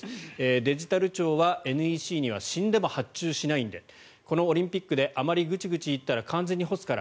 デジタル庁はＮＥＣには死んでも発注しないんでこのオリンピックであまりぐちぐちいったら完全に干すから。